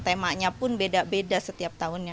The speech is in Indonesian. temanya pun beda beda setiap tahunnya